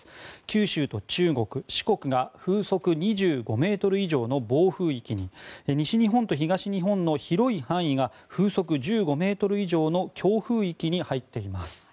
九州と中国、四国が風速２５ｍ以上の暴風域に西日本と東日本の広い範囲が風速１５ｍ以上の強風域に入っています。